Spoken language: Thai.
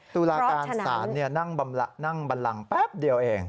ตุลาการศาลนั่งบันลังแป๊บเดียวเอง